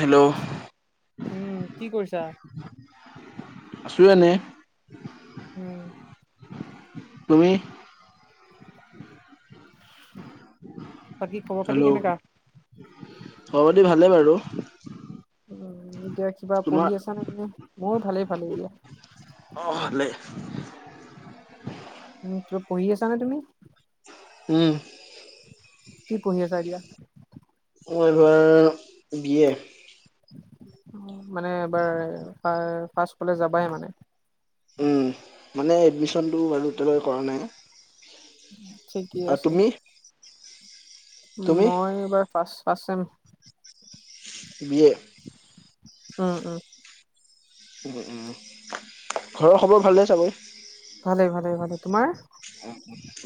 Hello উম কি কৰিছা? আছোঁ এনেই উম। তুমি? বাকী খবৰ খাতি হেল্ল' কেনেকা? খবৰ খাতি ভালেই বাৰু [unintelligible] উম এতিয়া কিবা তোমাৰ? পঢ়ি আছা নে নে মোৰ ভালেই ভালে এ দিয়া। অ [inaudible] উম কিবা পঢ়ি আছা না তুমি? উম। কি পঢ়ি আছা এতিয়া? মই এইবাৰ বি এ মানে এবাৰ ফাৰ্ষ্ট কলেজ যাবাহে মানে? উম মানে এডমিশনটো বাৰু এতিয়ালৈ কৰা নাই। ঠিকেই আৰু আছে। তুমি তুমি মই এইবাৰ first first sem. B A উম উম। উ উম ঘৰৰ খবৰ ভালে চাবৰে? ভালে ভালে ভালে তোমাৰ?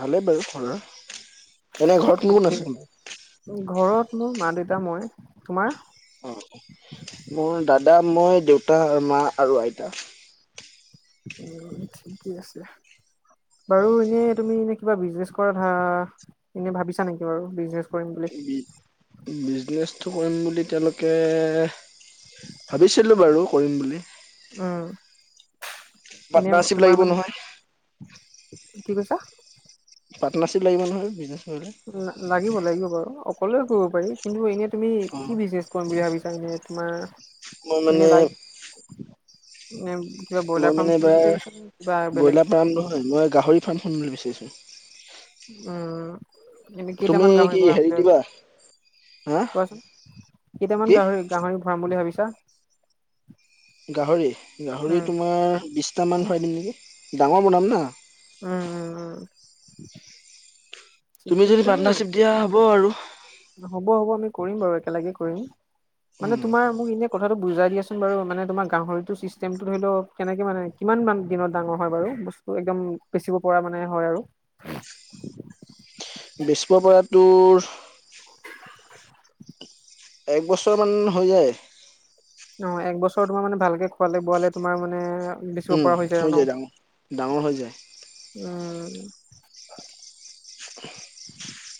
ভালেই বাৰু ঘৰৰ এনে ঘৰত কোন কোন আছে তোমাৰ? ঘৰত মোৰ মা দেউতা মই। তোমাৰ? দা, মই, দেউতা, মা আৰু আইতা। উ ঠিকেই আছে বাৰু এনে তুমি এনে কিবা বিজনেছ কৰাত হা এনেই ভাবিছা নেকি বাৰু বিজনেছ কৰিম বুলি? বিজনেছটো কৰিম বুলি তেওঁলোকে ভাবিছিলো বাৰু কৰিম বুলি। উম। এনে পাটনাৰশ্বিপ তোমাৰ লাগিব মানে নহয়? কি কৈছা? পাটনাৰশ্বিপ লাগিব নহয়। কৰিলে লাগিব লাগিব বাৰু অকলে কৰিব পাৰি কিন্তু এনে তুমি অ কি বিজনেছ কৰিম বুলি ভাবিছ ইনে তোমৰ মই এনে মানে লাইক নে কিবা মই ব্ৰইলাৰ ফাৰ্ম মানে খুলিম এবাৰ বুলি ভাবিছা নে কিবা বেলেগ ব্ৰইলাৰ ফাৰ্ম নহয় মই গাহৰি ফাৰ্ম শুনবলে বিচাৰিছো। উম এনেই তুমি কেইটামান গাহৰি কি পোহা হেৰি দিবা [unintelligible] হা কোৱাচোন কেইটামান কি গাহৰি গাহৰি ভৰাম বুলি ভাবিছা? গাহৰি গাহৰি উম তোমাৰ বিছটামান ভৰাই দিম নেকি ডাঙৰ বনাম ন। উম উম। তুমি যদি পাৰ্টনাৰশ্বিপ দিয়া হ'ব আৰু। নহ'ব হ'ব আমি কৰিম বাৰু একেলগে কৰিম মানে উম তোমাৰ মোক এনে কথাটো বুজাই দিয়াচোন বাৰু মানে তোমাৰ গাহৰিটো ছিষ্টেমটো ধৰি লওক কেনেকে মানে কিমান মান দিনত ডাঙৰ হয় বাৰু বস্ তো একদম বেছিব পৰা মানে হয় আৰু বেছিব পৰাটোৰ এক বছৰ মান হৈ যায় অ একবছৰ তোমাৰ মানে ভালকে খোৱালে বোৱালে তোমাৰ মানে বেচিব উম পৰা হৈছে হৈ আৰু ন যায় ডাঙৰ ডাঙৰ হৈ যায় উম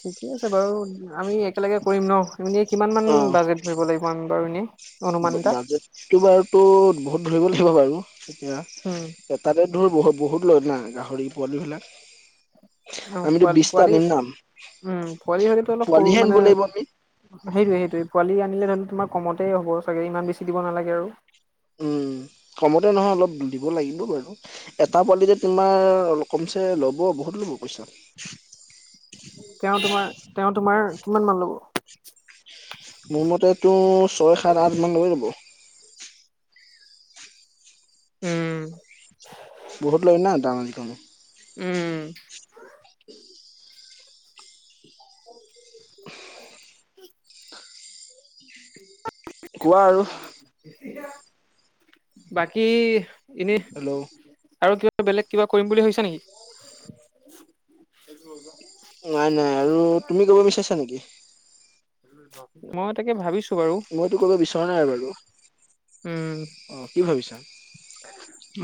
ঠিকে আছে বাৰু, আমি একেলগে কৰিম ন এম কিমান মান বাজেট ভৰিব লাগিব। [unintelligible] বাৰু এনে। বাজেটতটো বাৰুতো, বহুত ধৰিব লাগিব বাৰু। এতিয়া, উম তাতে ধুত বহুত লয় না গাহৰি পোৱালি বিলাক। অ' আমিতো পোৱালি, বিশটা পোৱালি আনিম না উম, পোৱালি হ'লেতো অলপ সৰু পোৱালিহে আনিব মানে, লাগিব আমি সেইটোয়ে সেইটো পোৱালি িলে ধ তোমাৰ কমতেই হ'ব চাগে ইমান বেছি দিব নালাগে আৰু। উম কমতে নহয় অলপ দিব লাগিব বাৰু, এটা পোৱালিতে তোমাৰ অলপ কমছে ল'ব বহুত লব পইচা। তেওঁ তোমাৰ, তেওঁ তোমাৰ, কিমান মান ল'ব? মোৰ মতেতো ছয় সাত আঠ মান লৈ ল'ব উম। বহুত লয় [unintelligible] উম। [unintelligible] [unintelligible] কোৱা আৰু বাকী এনেই হেল্ল' আৰু কিবা বেলেগ কিবা কৰিম বুলি ভছা নেকি? নাই, নাই আৰু তুমি কৰিব বিচাৰিছা নেকি? মই তাকে ভাবিছো বাৰু মইতো কব বিচৰা নাই বাৰু। উম অ কি ভাবিছা?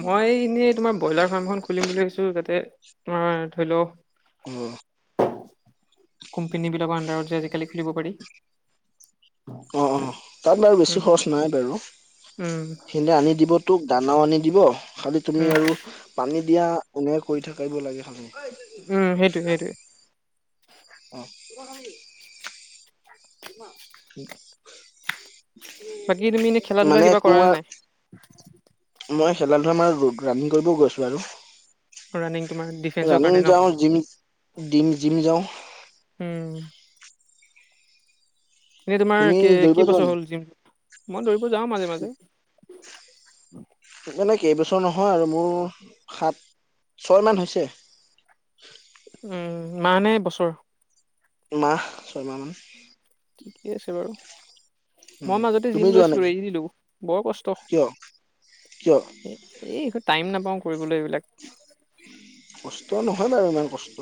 মই এনেই তোমাৰ ব্ৰইলাৰ ফাৰ্মখন খুলিম বুলি ভাবিছো। তাতে অ ধৰি লও অহ '। কোম্পানী বিলাকৰ আন্ধাৰত যে আজিকালি খুলিব পাৰি। অ, অ তাত বাৰু বেছি উম, খৰচ নাই বাৰু। উম, সেইে আনি দিবতো দানা আনি দিব খালি তুমি উম, আৰু পানী দিয়া এনে কৰি থাকিব লাগে উম, সেইটোৱে সদায়। সেইটোৱে অ'। [unintelligible] বাকী তুমি এনেই খেলা- ধূলা মানে কিবা কৰা নে তোমাৰ নাই? মই খেলা ধূলা মানে ৰাণিং কৰিবও গৈছো আৰু ৰানিং তোমাৰ ডিফেন্সৰ কাৰণে ৰুনিং ন যাওঁ, জিম, ডিম, জিম যাওঁ। উম। এনেই তোমাৰ তুমি কি দৌৰিব কেই যোৱা বছৰ নাই হ'ল জিম? মই দৌৰিব যাওঁ মাজে, মাজে। [unintelligible] মানে কেইবছৰ নহয় আৰু। মোৰ সাত, ছয় মান হৈছে। উম। মাহ নে বছৰ? মাহ ছয়মাহ মান। ঠিকেই আছে বাৰু। উম মই মাজতে তুমি জিম যোৱা লৈছিলো। নেকি এৰি দিলো বৰ কষ্ট কিয় কিয় এই টাইম নাপাও কৰিবলৈ এইবিলাক কষ্ট নহয় বাৰু ইমান কষ্ট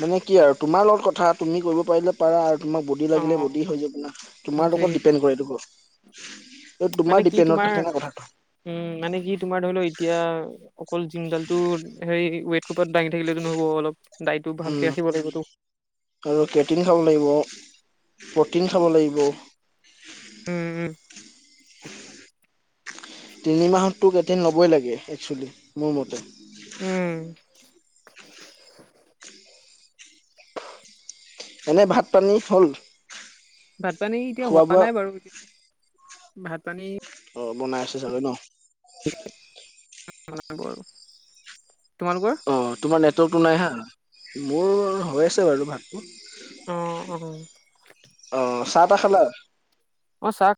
মানে কি আৰু তোমাৰ লগত কথা তুমি কৰিব পাৰিলে পাৰা তোমাক বডি লাগিলে অ', বডি হৈ যায় তোমাৰ ওপৰত সেইটোৱে ডিপেণ্ড কৰে এইটো। এইটো তোমাৰ মানে কি ডিপেণ্ডত তোমাৰ থাকে না কথাটো উম, মানে কি তোমাৰ ধৰি লও এতিয়া অকল জিমডাল টো হেৰি পৰত দাঙি থাকিলেতো নহ'ব অলপ দাইতটো ভালকে উম ৰাখিব লাগিবো টো। আৰু প্ৰটিন খাব লাগিব। প্ৰটিন খাব লাগিব উম, উম। তিনি মাহততো কেইদিন ল'বই লাগে একচুৱেলি। মোৰ মতে উম। এনে ভাত-পানী হ'ল? ভাত-পানী এতিয়া খোৱা হোৱা বোৱা নাই বাৰু ভাত-পানী অ বনাই আছে চাগে ন? [inaudible] অ তোমাৰ নেটৱৰ্কটো নাই হা, মোৰ হৈ আছে বাৰু ভাতটো। আহ, অ। চাহ-টা খালা? অ চাহ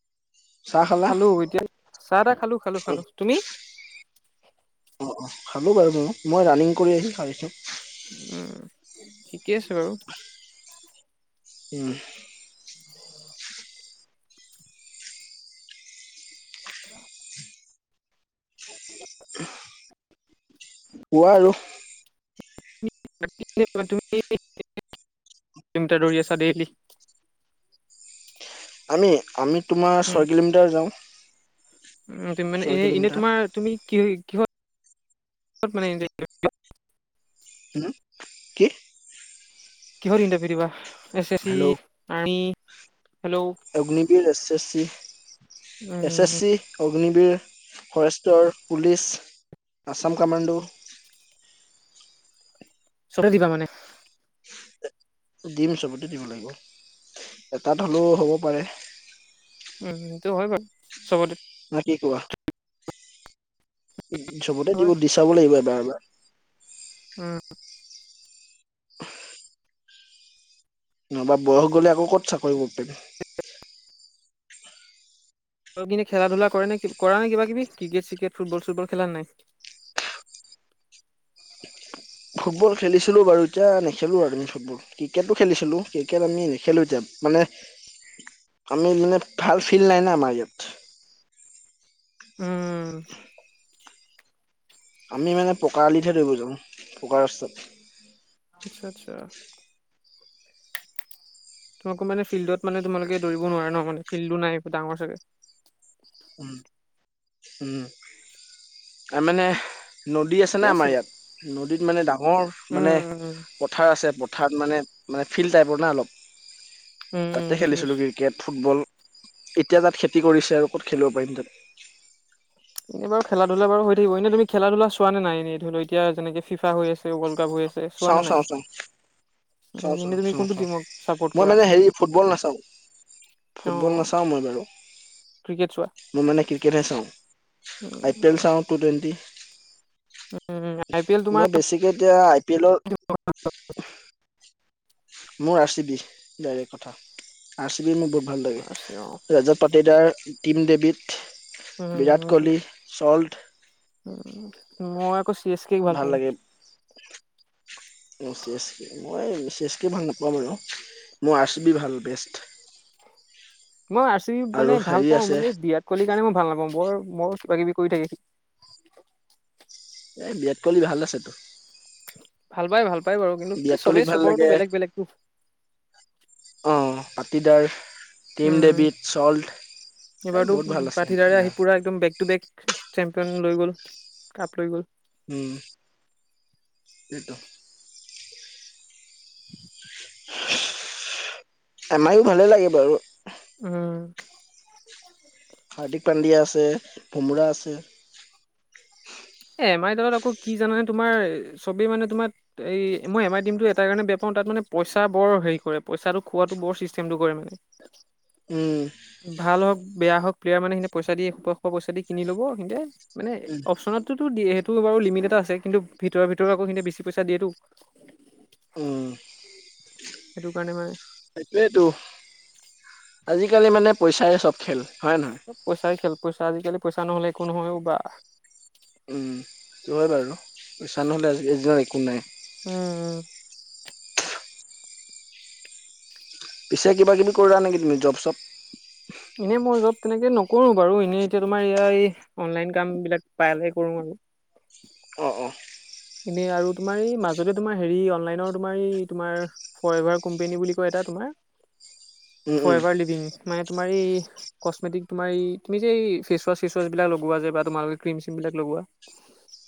চাহ খালা খালো, এতিয়া চাহ-টা খালো, খালো, অ খালো, তুমি? অ, অ, খালো বাৰু-বাৰু, মই ৰানিং কৰি আহি খাইছো। উম ঠিকে আছে বাৰু। উম। [inaudible] কোৱা আৰু। [inaudible] কিলোমিটাৰ দৌৰি আছা ডেইলী। আমি? আমি তোমাৰ উম, ছয় কিলোমিটাৰ যাওঁ। উম তুমি মানে এ ছয় এনে কিলোমিটাৰ তোমাৰ তুমি কি কিহত [inaudible] হম কি? কিহৰ ইণ্টাৰভিউ দিবা? S S C, hello army hello Agniveer S S C. S S উম, চি, অগ্নিবীৰ, ফৰেষ্টৰ, পুলিচ আসাম কামাণ্ডু। চতে দিবা মানে দিম চবতে দিব লাগিব, এটাত হ'লেও হ'ব পাৰে। উমটো হয় বাৰু, চবতে না কি কোৱা, চবতে দিব হয়। দি চাব লাগিব এবাৰ-এবাৰ। [inaudible] উম। নহবা, বয়স গলে আকৌ ক'ত চাকৰি লগ কিনে খেলা-ধূলা কৰে ন কৰা নে কিবা-কিবি ক্ৰিকেট-চ্ৰিকেট, ফুটবল-চুটবল খেলা নাই? [inaudible] ফুটবল খেলিছিলোঁ বাৰু এতিয়া নেখেলোঁ আৰু আমি ফুটবল, ক্ৰিকেটো খেলিছিলোঁ, ক্ৰিকেট আমি নেখেলোঁ এতিয়া। মানে, আমি মানে ভাল ফিল্ড নাই না আমাৰ ইয়াত। উম। আমি মানে পকা আলিতহে ধৰিব যাওঁ, পকা ৰাস্তাত। আচ্ছা-আচ্ছা। তোমাকো মানে ফিল্ডত মানে তোমালোকে দৌৰিব নোৱাৰে ন, মানে ফিল্ডো নাই ডাঙৰ চাগে। উম, উম, আৰু মানে নদী আছে ঠিকে না আমাৰ বাৰু ইয়াত, নদীত মানে ডাঙৰ উম, মানে উম, পথাৰ আছে থাৰ্ড মানে, মানে ফিল্ড টাইপৰ না অলপ, উম, উম, তাতে বুজিছো খেলিছিলোঁ বুজিছো। Cricket, football. এতিয়া তাত খেতি কৰিছে আৰু ক'ত খেলিব পাৰিম তাত। এনে বাৰু খেলা-ধূলা বাৰু হৈ থাকিব, এনে তুমি খেলা-ধূলা চোৱা নে নাই এনে ধৰি লও এতিয়া যেনেকে ফিফা হৈ আছে ৱৰ্ল্ড কাপ হৈ চে চোৱা চাওঁ নে চাওঁ নাই? চাওঁ উম, চাওঁ, এনে চাওঁ, তুমি চাওঁ, কোনটো চাওঁ, টিমক চাপৰ্ট মই কৰা মানে হেৰি ফুটবল নাচাওঁ। অ, ফুটবল নাচাওঁ মই বাৰু, ক্ৰিকেট চোৱা? মই মানে ক্ৰিকেটহে চাওঁ। আই পি এল চাওঁ, T twenty um, I P L তোমাৰ মই বেছিকে এতিয়া আই পি এলৰ- মোৰ আৰ চি বি ডাইৰেক্ট কথা আৰ চি বি মোক ব- ভাল লাগে। আছে অ, ৰজত পাটিদাৰ, টিম দেৱীত বিৰাট উম, কোহলি, চল্ট, উম, মই আকৌ- এছ কেক ভাল পাওঁ। লাগে। উম চি এছ কে মই চি এছ কে ভাল নাপাওঁ বাৰু, মই আৰ চি বি ভাল বেষ্ট। মই আৰ চি বি আৰু মানে ভাল হেৰি পাওঁ, আছে মানে বিৰাট কোহলীৰ কাৰণে মই ভাল নাপাওঁ, বৰ বৰ কিবা কিবি কৰি থাকে সি এই বিৰাত কোহলী ভাল আছেতো। ভাল পায়, ভাল পায় বাৰু কিন্তু কি বিৰাট কোহলিক চবেই ভাল চবৰটো লাগে বেলেগ-বেলেগটো। টিদাৰ উম, এই বহুত ভাল এইবাৰতো আছে পাঠিদাৰে এতিয়া আহি পুৰা একদম বেগ টু বেগ- চেম্পিয়ন লৈ গ'ল, কাপ লৈ গ'ল। উম, এইটো। আমাৰো ভালে লাগে বাৰু উম। হাৰ্দিক পাণ্ডিয়া আছে, ভোমৰাহ আছে। এ, এম আইৰ দলত আকৌ কি জানানে তোমাৰ চবেই মানে তোমাৰ এই মই, এম আই টীমটো এটাৰ কাৰণে বেয়া পাওঁ- তাত মানে পইচা বৰ হেৰি কৰে, পইচাটো খোৱাটো বৰ চিষ্টেমটো কৰে মানে। উম ভাল হওক বেয়া হওক প্লেয়াৰ মানে সিঁহতে পইচা দি এখোপা-এখোপা পইচা দি কিনি ল'ব, সিঁহতে মানে উম অপচনত- তুটো দিয়ে, সেইটো বাৰু লিমিট এটা আছে। কিন্তু ভিতৰে ভিতৰে আকৌ সিঁহতে বেছি পইচা দিয়েটো। উম সেইটো কাৰণে মানে- সেইটোৱেতো, আজিকালি মানে পইচাৰে চব খেল। হয় নহয় চব পইচাৰে খেল, পইচা আজিকালি পইচা নহ'লে একো নহয় অ' বা। উম, হয় বাৰু পইছা নহ'লে আজিকালি দিনত একো নাই। উম পিছে কিবা কিবি কৰা নেকি তুমি যব-চব? এনেই মই যব- তেনেকে নকৰো বাৰু এনেই এতিয়া তোমাৰ এই এই অনলাইন কাম বিলাক প্ৰাইভাগে কৰো আৰু অ, অ। এনে আৰু তোমাৰ এই মাজতে তোমাৰ হেৰি, অনলাইনৰ তোমাৰ এই তোমাৰ ফৰ এভাৰ কোম্পেনী বুলি কয় এ- টা তোমাৰ উম ফৰ উম এভাৰ লিভিং। মানে তোমাৰ এই কছমেটিক তোমাৰ এই তুমি যে এই ফেচৱাছ চেচৱাছবিলাক লগোৱা যে বা তোমালোকে ক্ৰীম চ্ৰীম বিলাক লগোৱা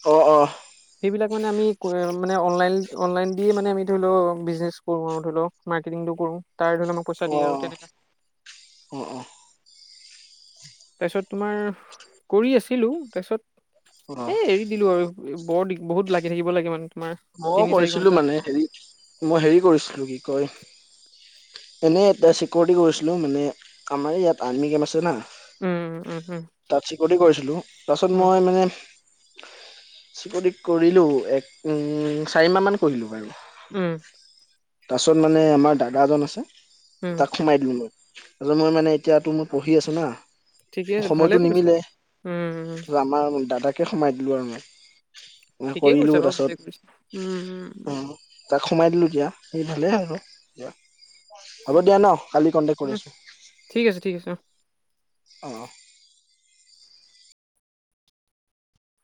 অ, অ। সেইবিলাক মানে আমি মানে, অনলাইন, অনলাইন দিয়ে মানে আমি ধৰি লও বিজনেচ কৰো, আৰু ধৰি লও মাৰ্কে- টিংটো কৰো। তাৰে ধৰি আমাক পইচা অ দিয়ে আৰু তেনেকা। অ, অ। তাৰপিছত তোমাৰ কৰি আছিলো। অ তাৰপিছত- এই, এৰি দিলো আৰু বৰ দিগ, বহুত লাগি থাকিব লাগে মানে তোমাৰ। মই তিনি চাৰি কৰিছিলো ঘন্টা মানে হেৰি, মই হেৰি কৰিছিলো কি কয় এনে এটা চিকিউৰিটি কৰিছিলো মানে আমাৰ ইয়াত আৰ্মি কেম আছে না উম উম উম তাত চিকৰটি কৰিছিলো। তাৰপাছত উম মই মানে চিকৰটি কৰিলো এক, ম, চাৰি মাহ মান কৰিলো বাৰু। উম পাছত মানে আমাৰ দাদা এজন আছে উম তাক সোমাই দিলো মই আৰু মই মানে এতিয়াতো মই পঢ়ি আছো না ঠিকে আছে ভালে সময়তটো কৰিছা নিমিলে। বাৰু। উম উম আমাৰ দাদাকে সোমাই দিলো আৰু মই ম ঠিকেই কৰিলো কৰিছা বাৰু ভালে তাৰপাছত কৰিছা উম উম অ', তাক সোমাই দিলো দিয়া সেই ভালেই হ আৰু দা হ'ব দিয়া ন কালি কন্টেক কৰি উম আছো। ঠিক আছে ঠিক আছে অ অ',।